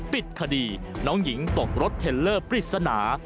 ปิดคดีน้องหญิงตกรถเทลเลอร์ปริศนา